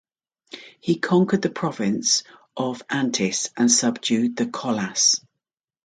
He conquered the province of Antis and subdued the Collas.